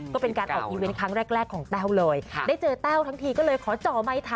ก็เป็นการออกอีเวนต์ครั้งแรกของแต้วเลยได้เจอแต้วทั้งทีก็เลยขอจ่อไมค์ถาม